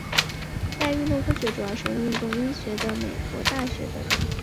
在运动科学主要是由运动医学的美国大学的认可。